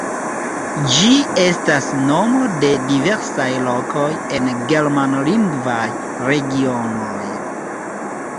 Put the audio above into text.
Ĝi estas nomo de diversaj lokoj en germanlingvaj regionoj.